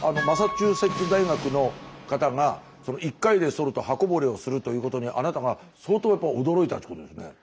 マサチューセッツ大学の方が１回でそると刃こぼれをするということにあなたが相当やっぱ驚いたっちゅうことですね。